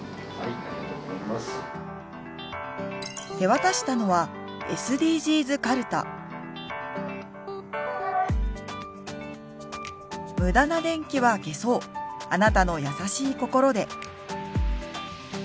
手渡したのは「無駄な電気は消そうあなたの優しい心で」。